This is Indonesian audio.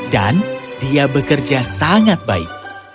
dan dia bekerja sangat baik